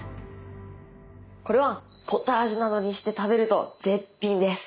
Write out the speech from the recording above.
これはポタージュなどにして食べると絶品です。